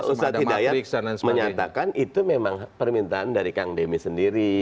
kalau ustadz hidayat menyatakan itu memang permintaan dari kang demis sendiri